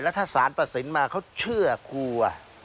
ถ้าสารตัดสินมาเขาเชื่อครู